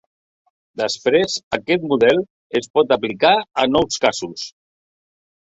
Després aquest model es pot aplicar a nous casos.